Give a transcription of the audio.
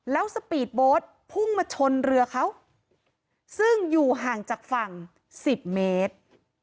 แล้วสปีดโบสต์พุ่งมาชนเรือเขาซึ่งอยู่ห่างจากฝั่ง๑๐เมตร